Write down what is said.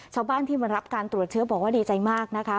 ชาวบ้านที่มารับการตรวจเชื้อบอกว่าดีใจมากนะคะ